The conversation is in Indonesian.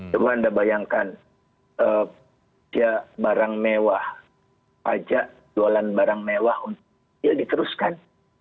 kalau anda bayangkan dia barang mewah pajak jualan barang mewah ya diteruskan